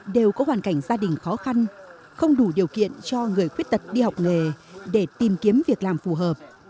đều có hoàn cảnh gia đình khó khăn không đủ điều kiện cho người khuyết tật đi học nghề để tìm kiếm việc làm phù hợp